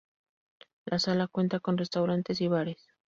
La sala cuenta con restaurantes y bares.